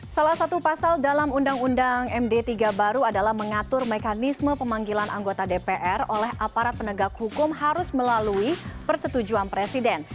salah satu pasal dalam undang undang md tiga baru adalah mengatur mekanisme pemanggilan anggota dpr oleh aparat penegak hukum harus melalui persetujuan presiden